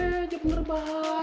yee jawab bener pa